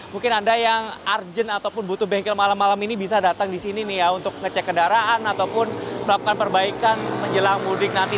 mungkin anda yang urgent ataupun butuh bengkel malam malam ini bisa datang di sini nih ya untuk ngecek kendaraan ataupun melakukan perbaikan menjelang mudik nanti